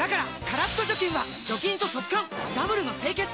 カラッと除菌は除菌と速乾ダブルの清潔！